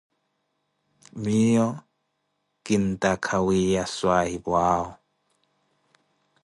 Miiyo kinttaka wiiya swahipwa awo.